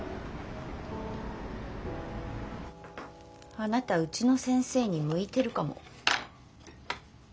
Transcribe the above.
あなたうちの先生に向いてるかも。